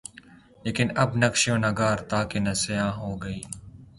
لیکن اب نقش و نگارِ طاق نسیاں ہو گئیں